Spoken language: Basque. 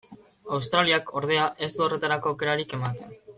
Australiak, ordea, ez du horretarako aukerarik ematen.